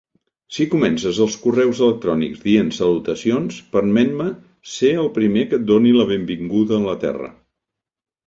Si comences els correus electrònics dient "Salutacions", permet-me ser el primer que et doni la benvinguda a la Terra.